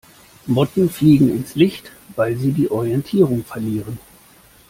Motten fliegen ins Licht, weil sie die Orientierung verlieren.